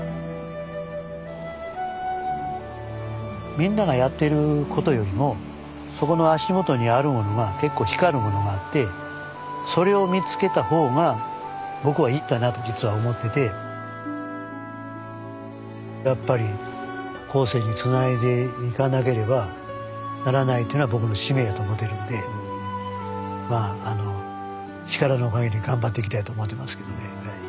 みんながやってることよりもそこの足元にあるものが結構光るものがあってそれを見つけた方が僕はいいかなと実は思っててやっぱり後世につないでいかなければならないっていうのが僕の使命やと思ってるんで力の限り頑張っていきたいと思ってますけどね。